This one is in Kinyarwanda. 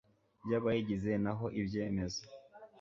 by abayigize naho ibyemezo